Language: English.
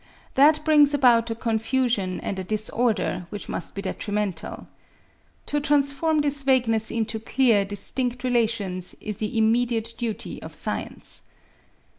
That brings about a confusion and a disorder which must be detrimental. To transform this vagueness into clear, distinct relations is the immediate duty of science.